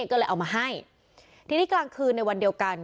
ก็เลยเอามาให้ทีนี้กลางคืนในวันเดียวกัน